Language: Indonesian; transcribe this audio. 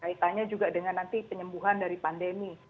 kaitannya juga dengan nanti penyembuhan dari pandemi